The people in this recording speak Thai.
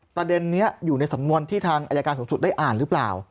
ประเด็นนี้อยู่ในสำนวนที่ทางอายการสูงสุดได้อ่านหรือเปล่า